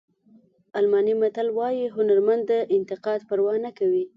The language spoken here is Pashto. الماني متل وایي هنرمند د انتقاد پروا نه کوي.